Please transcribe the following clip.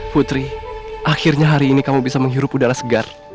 putri akhirnya hari ini kamu bisa menghirup udara segar